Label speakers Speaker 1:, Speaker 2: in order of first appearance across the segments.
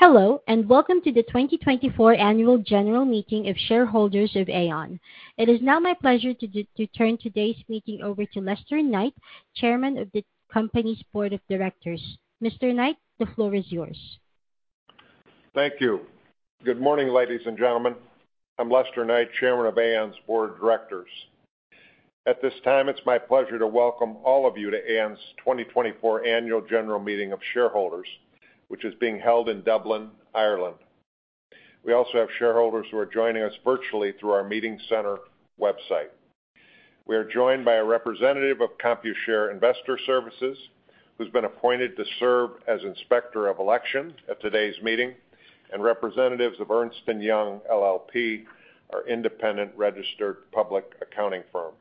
Speaker 1: Hello, and welcome to the 2024 Annual General Meeting of Shareholders of Aon. It is now my pleasure to turn today's meeting over to Lester Knight, Chairman of the Company's Board of Directors. Mr. Knight, the floor is yours.
Speaker 2: Thank you. Good morning, ladies and gentlemen. I'm Lester Knight, Chairman of Aon's Board of Directors. At this time, it's my pleasure to welcome all of you to Aon's 2024 Annual General Meeting of Shareholders, which is being held in Dublin, Ireland. We also have shareholders who are joining us virtually through our meeting center website. We are joined by a representative of Computershare Investor Services, who's been appointed to serve as Inspector of Election at today's meeting, and representatives of Ernst & Young LLP, our independent registered public accounting firm.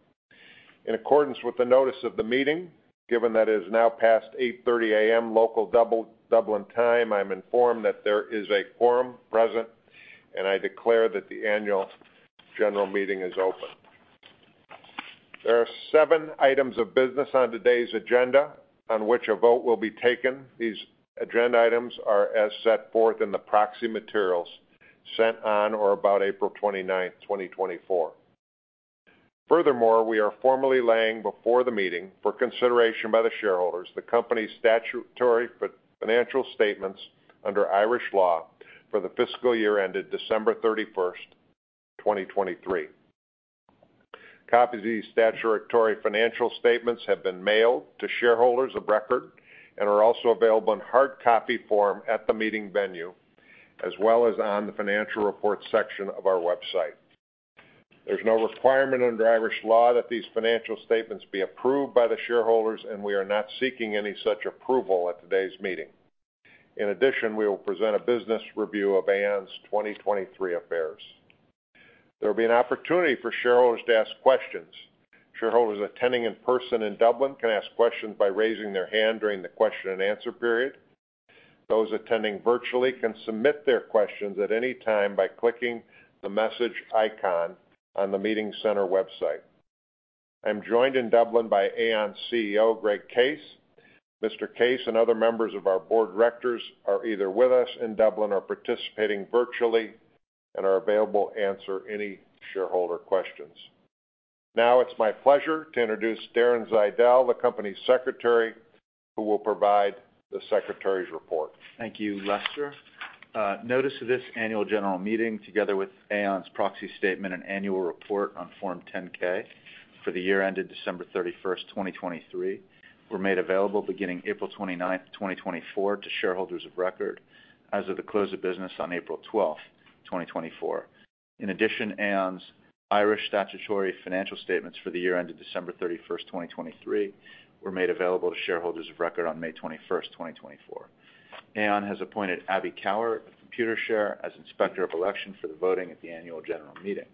Speaker 2: In accordance with the notice of the meeting, given that it is now past 8:30 A.M. local Dublin time, I'm informed that there is a quorum present, and I declare that the Annual General Meeting is open. There are seven items of business on today's agenda on which a vote will be taken. These agenda items are as set forth in the proxy materials sent on or about April 29, 2024. Furthermore, we are formally laying before the meeting for consideration by the shareholders the company's statutory financial statements under Irish law for the fiscal year ended December 31, 2023. Copies of these statutory financial statements have been mailed to shareholders of record and are also available in hard copy form at the meeting venue, as well as on the financial reports section of our website. There's no requirement under Irish law that these financial statements be approved by the shareholders, and we are not seeking any such approval at today's meeting. In addition, we will present a business review of Aon's 2023 affairs. There will be an opportunity for shareholders to ask questions. Shareholders attending in person in Dublin can ask questions by raising their hand during the question and answer period. Those attending virtually can submit their questions at any time by clicking the message icon on the meeting center website. I'm joined in Dublin by Aon's CEO, Greg Case. Mr. Case and other members of our Board of Directors are either with us in Dublin or participating virtually and are available to answer any shareholder questions. Now, it's my pleasure to introduce Darren Zeidel, the Company's Secretary, who will provide the Secretary's report.
Speaker 3: Thank you, Lester. Notice of this Annual General Meeting, together with Aon's proxy statement and annual report on Form 10-K for the year ended December 31, 2023, were made available beginning April 29, 2024, to shareholders of record as of the close of business on April 12, 2024. In addition, Aon's Irish statutory financial statements for the year ended December 31, 2023, were made available to shareholders of record on May 21, 2024. Aon has appointed Abby Cowher, Computershare, as Inspector of Election for the voting at the Annual General Meeting.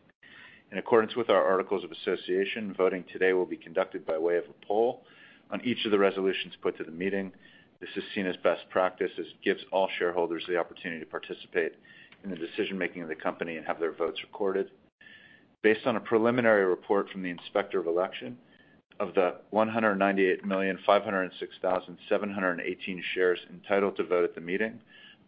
Speaker 3: In accordance with our Articles of Association, voting today will be conducted by way of a poll on each of the resolutions put to the meeting. This is seen as best practice as it gives all shareholders the opportunity to participate in the decision-making of the company and have their votes recorded. Based on a preliminary report from the Inspector of Election, of the 198,506,718 shares entitled to vote at the meeting,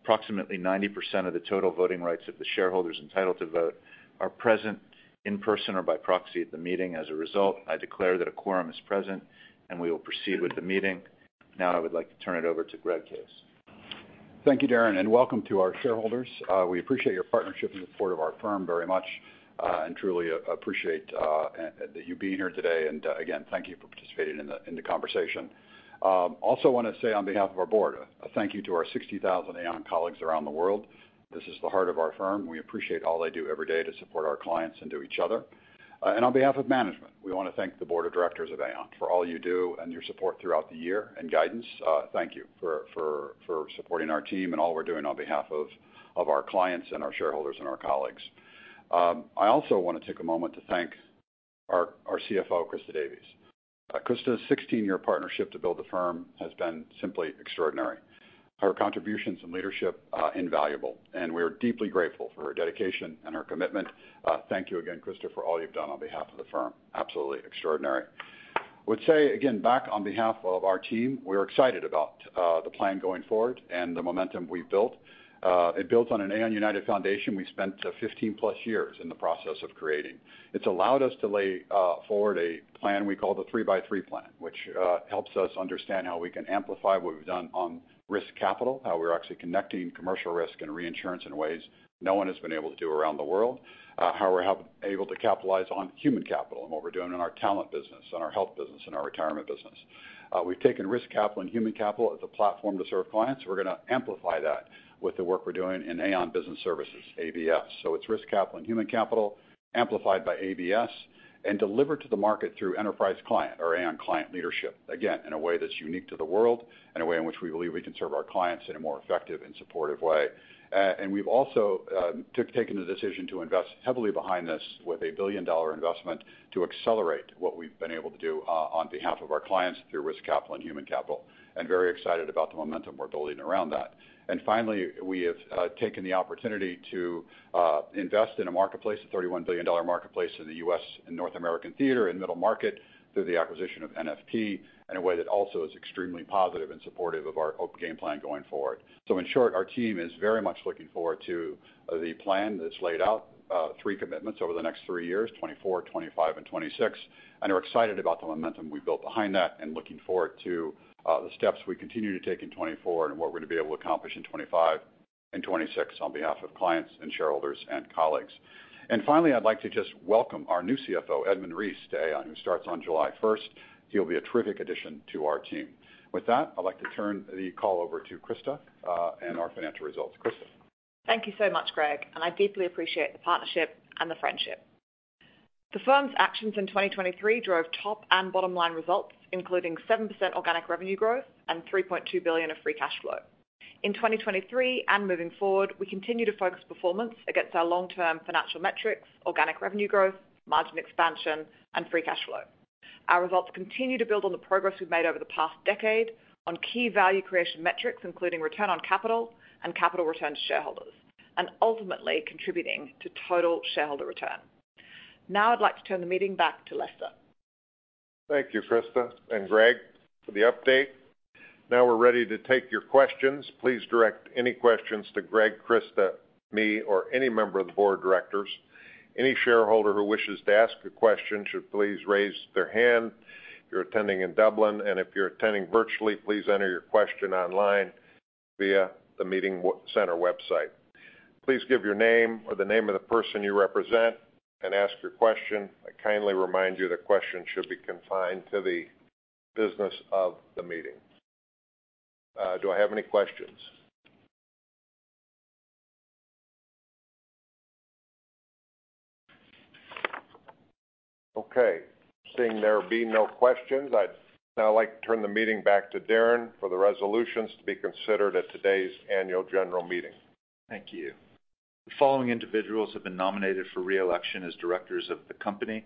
Speaker 3: approximately 90% of the total voting rights of the shareholders entitled to vote are present in person or by proxy at the meeting. As a result, I declare that a quorum is present and we will proceed with the meeting. Now, I would like to turn it over to Greg Case.
Speaker 4: Thank you, Darren, and welcome to our shareholders. We appreciate your partnership and support of our firm very much and truly appreciate you being here today. Again, thank you for participating in the conversation. Also, I want to say on behalf of our board, a thank you to our 60,000 Aon colleagues around the world. This is the heart of our firm. We appreciate all they do every day to support our clients and to each other. On behalf of management, we want to thank the Board of Directors of Aon for all you do and your support throughout the year and guidance. Thank you for supporting our team and all we're doing on behalf of our clients and our shareholders and our colleagues. I also want to take a moment to thank our CFO, Christa Davies. Christa's 16-year partnership to build the firm has been simply extraordinary. Her contributions and leadership are invaluable, and we are deeply grateful for her dedication and her commitment. Thank you again, Christa, for all you've done on behalf of the firm. Absolutely extraordinary. I would say, again, back on behalf of our team, we are excited about the plan going forward and the momentum we've built. It builds on an Aon United foundation we spent 15+ years in the process of creating. It's allowed us to lay forward a plan we call the 3x3 Plan, which helps us understand how we can amplify what we've done on risk capital, how we're actually connecting commercial risk and reinsurance in ways no one has been able to do around the world, how we're able to capitalize on human capital and what we're doing in our talent business, in our health business, in our retirement business. We've taken risk capital and human capital as a platform to serve clients. We're going to amplify that with the work we're doing in Aon Business Services, ABS. So it's risk capital and human capital amplified by ABS and delivered to the market through enterprise client or Aon Client Leadership, again, in a way that's unique to the world, in a way in which we believe we can serve our clients in a more effective and supportive way. And we've also taken the decision to invest heavily behind this with a billion-dollar investment to accelerate what we've been able to do on behalf of our clients through risk capital and human capital. And very excited about the momentum we're building around that. And finally, we have taken the opportunity to invest in a marketplace, a $31 billion marketplace in the U.S. and North American theater and middle market through the acquisition of NFP in a way that also is extremely positive and supportive of our game plan going forward. So in short, our team is very much looking forward to the plan that's laid out, three commitments over the next three years, 2024, 2025, and 2026, and are excited about the momentum we've built behind that and looking forward to the steps we continue to take in 2024 and what we're going to be able to accomplish in 2025 and 2026 on behalf of clients and shareholders and colleagues. And finally, I'd like to just welcome our new CFO, Edmund Reese, to Aon, who starts on July 1st. He'll be a terrific addition to our team. With that, I'd like to turn the call over to Christa and our financial results. Christa.
Speaker 5: Thank you so much, Greg, and I deeply appreciate the partnership and the friendship. The firm's actions in 2023 drove top and bottom-line results, including 7% organic revenue growth and $3.2 billion of free cash flow. In 2023 and moving forward, we continue to focus performance against our long-term financial metrics, organic revenue growth, margin expansion, and free cash flow. Our results continue to build on the progress we've made over the past decade on key value creation metrics, including return on capital and capital return to shareholders, and ultimately contributing to total shareholder return. Now, I'd like to turn the meeting back to Lester.
Speaker 2: Thank you, Christa and Greg, for the update. Now we're ready to take your questions. Please direct any questions to Greg, Christa, me, or any member of the Board of Directors. Any shareholder who wishes to ask a question should please raise their hand. You're attending in Dublin, and if you're attending virtually, please enter your question online via the meeting center website. Please give your name or the name of the person you represent and ask your question. I kindly remind you that questions should be confined to the business of the meeting. Do I have any questions? Okay. Seeing there are no questions, I'd now like to turn the meeting back to Darren for the resolutions to be considered at today's Annual General Meeting.
Speaker 3: Thank you. The following individuals have been nominated for reelection as directors of the company,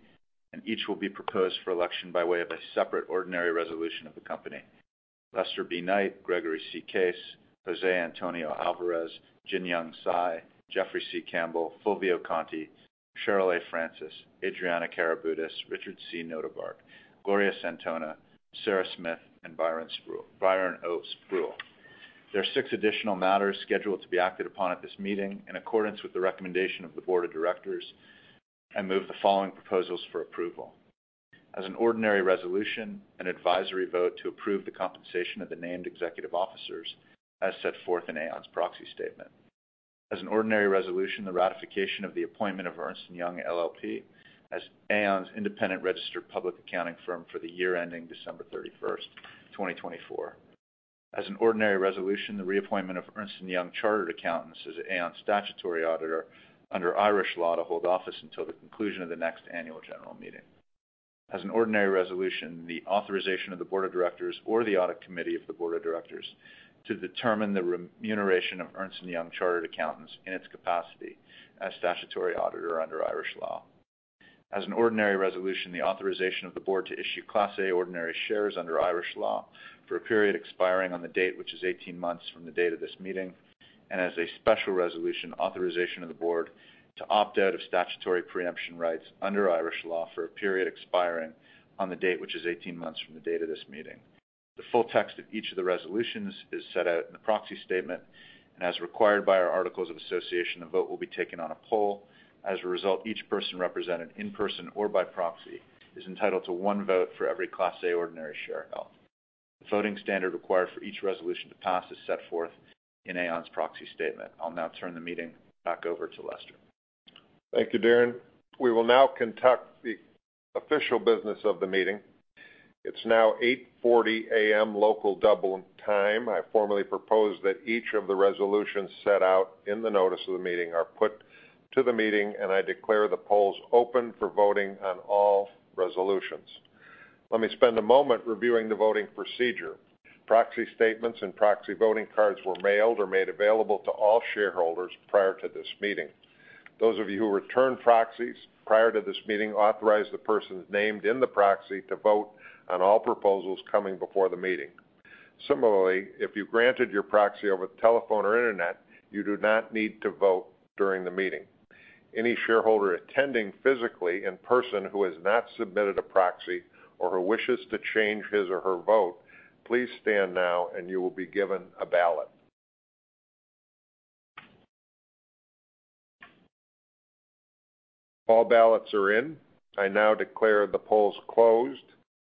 Speaker 3: and each will be proposed for election by way of a separate ordinary resolution of the company: Lester B. Knight, Gregory C. Case, José Antonio Alvarez, Jin-Yong Cai, Jeffrey C. Campbell, Fulvio Conti, Cheryl A. Francis, Adriana Karaboutis, Richard C. Notebaert, Gloria Santona, Sarah Smith, and Byron O. Spruell. There are six additional matters scheduled to be acted upon at this meeting. In accordance with the recommendation of the Board of Directors, I move the following proposals for approval: As an ordinary resolution, an advisory vote to approve the compensation of the named executive officers as set forth in Aon's proxy statement. As an ordinary resolution, the ratification of the appointment of Ernst & Young LLP as Aon's independent registered public accounting firm for the year ending December 31, 2024. As an ordinary resolution, the reappointment of Ernst & Young Chartered Accountants as Aon's statutory auditor under Irish law to hold office until the conclusion of the next Annual General Meeting. As an ordinary resolution, the authorization of the Board of Directors or the audit committee of the Board of Directors to determine the remuneration of Ernst & Young Chartered Accountants in its capacity as statutory auditor under Irish law. As an ordinary resolution, the authorization of the board to issue Class A ordinary shares under Irish law for a period expiring on the date which is 18 months from the date of this meeting. And as a special resolution, authorization of the board to opt out of statutory preemption rights under Irish law for a period expiring on the date which is 18 months from the date of this meeting. The full text of each of the resolutions is set out in the proxy statement, and as required by our Articles of Association, a vote will be taken on a poll. As a result, each person represented in person or by proxy is entitled to one vote for every Class A ordinary share held. The voting standard required for each resolution to pass is set forth in Aon's proxy statement. I'll now turn the meeting back over to Lester.
Speaker 2: Thank you, Darren. We will now conduct the official business of the meeting. It's now 8:40 A.M. local Dublin time. I formally propose that each of the resolutions set out in the notice of the meeting are put to the meeting, and I declare the polls open for voting on all resolutions. Let me spend a moment reviewing the voting procedure. Proxy statements and proxy voting cards were mailed or made available to all shareholders prior to this meeting. Those of you who return proxies prior to this meeting authorize the persons named in the proxy to vote on all proposals coming before the meeting. Similarly, if you granted your proxy over the telephone or internet, you do not need to vote during the meeting. Any shareholder attending physically in person who has not submitted a proxy or who wishes to change his or her vote, please stand now, and you will be given a ballot. All ballots are in. I now declare the polls closed.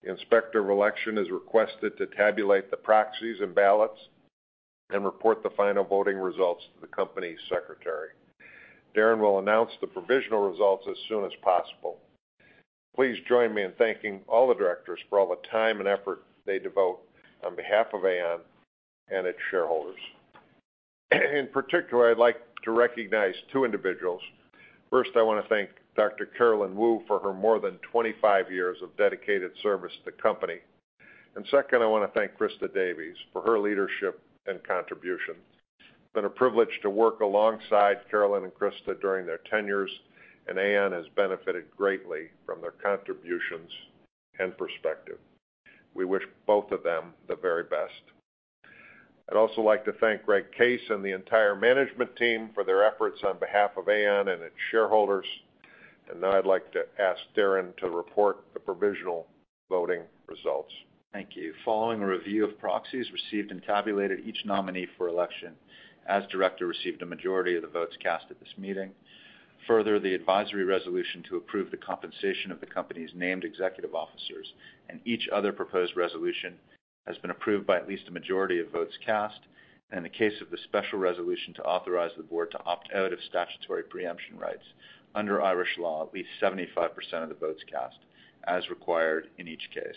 Speaker 2: The Inspector of Election is requested to tabulate the proxies and ballots and report the final voting results to the company's secretary. Darren will announce the provisional results as soon as possible. Please join me in thanking all the directors for all the time and effort they devote on behalf of Aon and its shareholders. In particular, I'd like to recognize two individuals. First, I want to thank Dr. Carolyn Woo for her more than 25 years of dedicated service to the company. And second, I want to thank Christa Davies for her leadership and contribution. It's been a privilege to work alongside Carolyn and Christa during their tenures, and Aon has benefited greatly from their contributions and perspective. We wish both of them the very best. I'd also like to thank Greg Case and the entire management team for their efforts on behalf of Aon and its shareholders. Now I'd like to ask Darren to report the provisional voting results.
Speaker 3: Thank you. Following a review of proxies received and tabulated, each nominee for election as director received a majority of the votes cast at this meeting. Further, the advisory resolution to approve the compensation of the company's named executive officers and each other proposed resolution has been approved by at least a majority of votes cast. In the case of the special resolution to authorize the board to opt out of statutory preemption rights under Irish law, at least 75% of the votes cast as required in each case.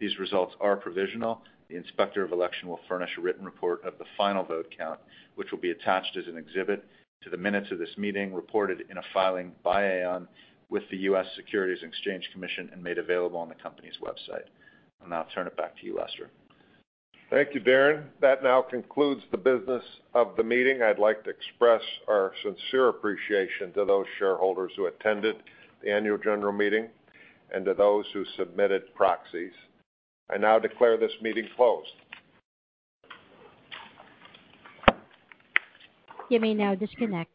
Speaker 3: These results are provisional. The Inspector of Election will furnish a written report of the final vote count, which will be attached as an exhibit to the minutes of this meeting reported in a filing by Aon with the U.S. Securities and Exchange Commission and made available on the company's website. I'll now turn it back to you, Lester.
Speaker 2: Thank you, Darren. That now concludes the business of the meeting. I'd like to express our sincere appreciation to those shareholders who attended the Annual General Meeting and to those who submitted proxies. I now declare this meeting closed.
Speaker 1: You may now disconnect.